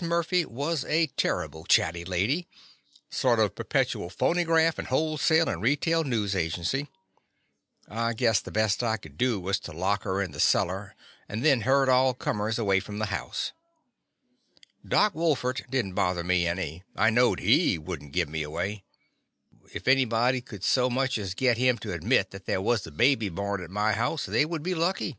Murphy was a terrible chatty lady — sort of perpetual phonygraft, and wholesale and retail news agency. I guessed the best I could do was to lock her in the cellar and then herd all comers away from the house. Doc Wolfert did n't bother me any. I knowed he would n't give me away. The Confessions of a Daddy If anybody could so much as git him to admit that there was a baby born at my house they would be lucky.